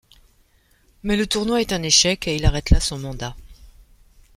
Mais le tournoi est un échec et il arrête là son mandat.